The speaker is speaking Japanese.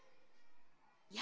や